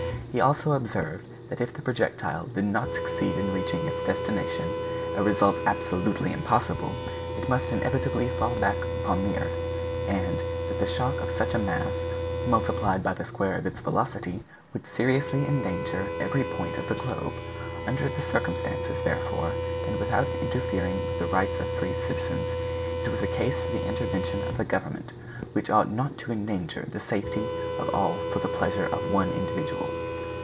He also observed that if the projectile did not succeed in reaching its destination (a result absolutely impossible), it must inevitably fall back upon the earth, and that the shock of such a mass, multiplied by the square of its velocity, would seriously endanger every point of the globe. Under the circumstances, therefore, and without interfering with the rights of free citizens, it was a case for the intervention of Government, which ought not to endanger the safety of all for the pleasure of one individual.